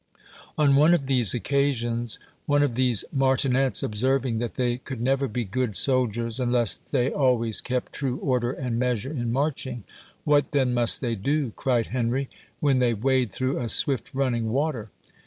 On one of these occasions, one of these martinets observing that they could never be good soldiers unless they always kept true order and measure in marching, "What then must they do," cried Henry, "when they wade through a swift running water?"